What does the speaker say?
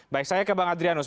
baik saya ke bang adrianus